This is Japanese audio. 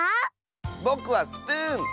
ぼくはスプーン！